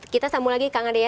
kita sambung lagi kang ade ya